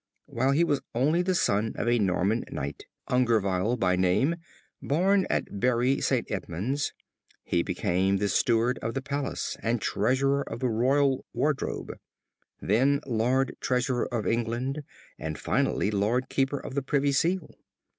While he was only the son of a Norman knight, Aungervyle by name, born at Bury St. Edmund's, he became the steward of the palace and treasurer of the royal wardrobe, then Lord Treasurer of England and finally Lord Keeper of the Privy Seal.